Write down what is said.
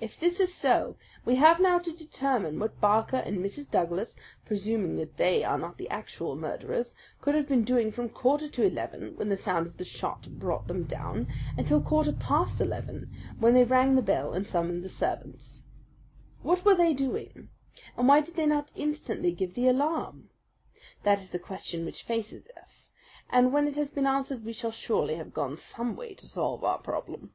"If this is so, we have now to determine what Barker and Mrs. Douglas, presuming that they are not the actual murderers, could have been doing from quarter to eleven, when the sound of the shot brought them down, until quarter past eleven, when they rang the bell and summoned the servants. What were they doing, and why did they not instantly give the alarm? That is the question which faces us, and when it has been answered we shall surely have gone some way to solve our problem."